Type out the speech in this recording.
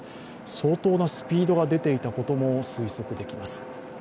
相当なスピードが出ていたことも推測できます。